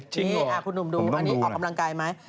จริงเหรอผมต้องดูนะครับคุณหนุ่มดูอันนี้ออกกำลังกายไหม